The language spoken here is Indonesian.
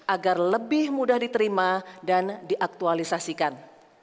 agar lebih mudah diterima dan diaktualisasikan